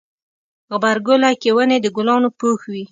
غبرګولی کې ونې د ګلانو پوښ وي.